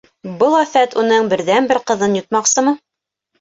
Был афәт уның берҙән-бер ҡыҙын йотмаҡсымы?